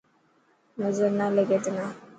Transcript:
نظر نا لڳي تنا.